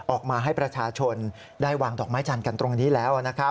ออกมาให้ประชาชนได้วางดอกไม้จันทร์กันตรงนี้แล้ว